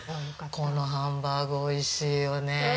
このハンバーグおいしいよね。